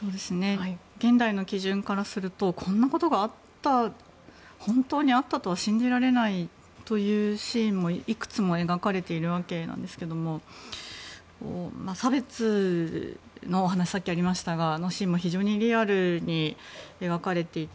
現代の基準からするとこんなことが本当にあったとは信じられないというシーンもいくつも描かれているわけですが差別のお話がさっき、ありましたがあのシーンも非常にリアルに描かれていて。